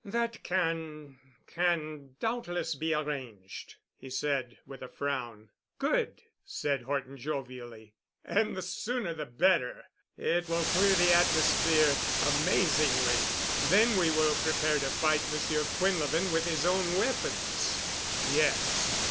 "That can—can doubtless be arranged," he said with a frown. "Good," said Horton jovially. "And the sooner the better. It will clear the atmosphere amazingly. Then we will prepare to fight Monsieur Quinlevin with his own weapons." "Yes.